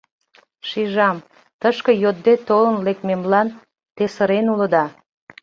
Шижам, тышке йодде толын лекмемлан те сырен улыда.